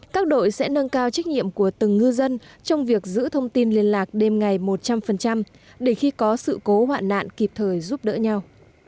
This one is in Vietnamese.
các đội sẽ nâng cao trách nhiệm của từng ngư dân trong việc giữ thông tin liên lạc đêm ngày một trăm linh để khi có sự cố hoạn nạn kịp thời giúp đỡ nhau